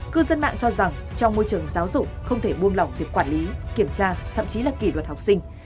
cư dân mạng cho rằng trong môi trường giáo dục không thể buông lỏng việc quản lý kiểm tra thậm chí là kỷ luật học sinh